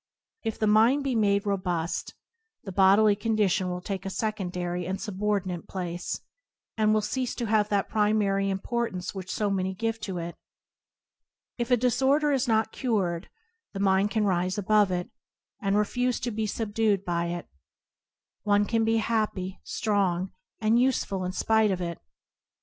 If the mind be made robust, the bodily condition will take a secondary and subor dinate place, and will cease to have that pri mary importance which so many give to it. If a disorder is not cured, the mind can [ 32] IBoOp ano Circum0tance rise above it, and refuse to be subdued by it. One can be happy, strong, and useful in spite of it.